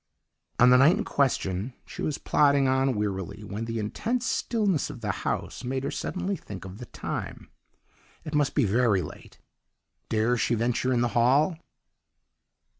"On the night in question she was plodding on wearily when the intense stillness of the house made her suddenly think of the time; it must be very late! Dare she venture in the hall?